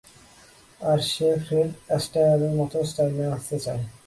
আর সে ফ্রেড অ্যাস্টায়ারের মতো স্টাইলে নাচতে চায়।